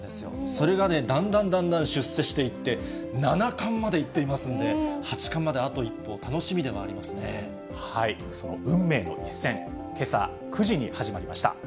それがね、だんだんだんだん出世していって、七冠までいっていますんで、八冠まであと一歩、その運命の一戦、けさ９時に始まりました。